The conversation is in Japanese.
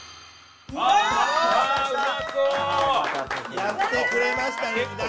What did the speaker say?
やってくれましたね！